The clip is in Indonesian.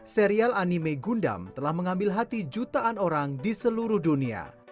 serial anime gundam telah mengambil hati jutaan orang di seluruh dunia